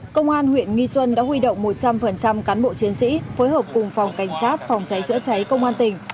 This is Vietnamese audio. công an huyện nghi xuân đã huy động một trăm linh cán bộ chiến sĩ phối hợp cùng phòng cảnh sát phòng cháy chữa cháy công an tỉnh